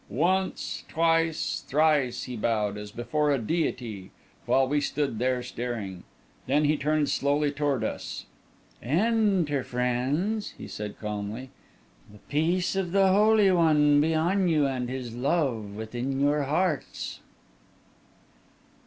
Once, twice, thrice he bowed, as before a deity, while we stood there staring. Then he turned slowly toward us. "Enter, friends," he said calmly. "The peace of the Holy One be on you, and his love within your hearts!"